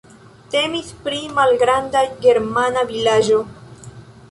Temis pri malgranda germana vilaĝo.